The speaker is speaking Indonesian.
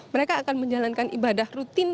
mereka akan menjalankan ibadah rutin